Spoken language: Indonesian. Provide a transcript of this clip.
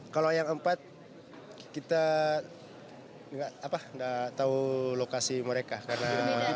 kalau yang empat kita nggak tahu lokasi mereka karena